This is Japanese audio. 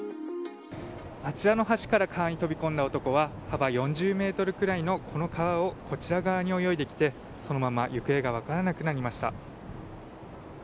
あちらの橋から川に飛び込んだ男は幅４０ｍくらいのこの川をこちら側に泳いで行ってそのまま行方が分からなくなりました。